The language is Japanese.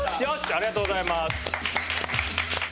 ありがとうございます。